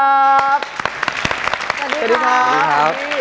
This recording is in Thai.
สวัสดีครับ